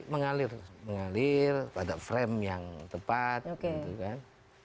mengalir mengalir pada frame yang tepat gitu kan